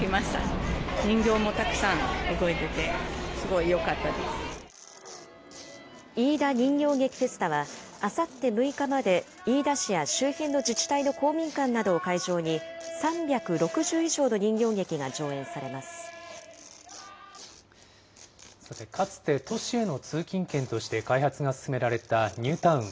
いいだ人形劇フェスタは、あさって６日まで飯田市や周辺の自治体の公民館などを会場に、３さて、かつて都市への通勤圏として開発が進められたニュータウン。